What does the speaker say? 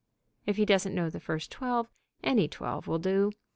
(If he doesn't know the first twelve, any twelve will do.